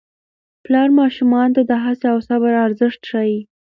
پلار ماشومانو ته د هڅې او صبر ارزښت ښيي